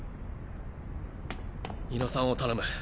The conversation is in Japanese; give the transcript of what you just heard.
猪野さんを頼む。